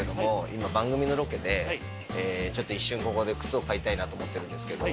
今番組のロケでちょっと一瞬ここで靴を買いたいなと思ってるんですけど。